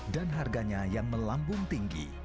dan harganya yang melambung tinggi